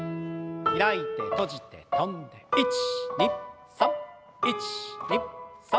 開いて閉じて跳んで１２３１２３。